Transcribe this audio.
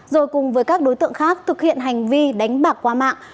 rồi cùng với các đối tượng khác thực hiện hành vi đánh bạc qua mạng